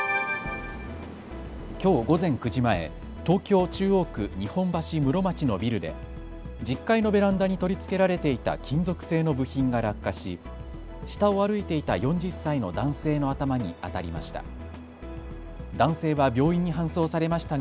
きょう午前９時前、東京中央区日本橋室町のビルで１０階のベランダに取り付けられていた金属製の部品が落下し下を歩いていた４０歳の男性の頭に当たりました。